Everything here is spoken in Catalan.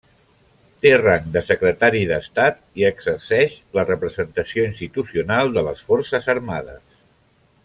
Té rang de secretari d'estat i exerceix la representació institucional de les Forces Armades.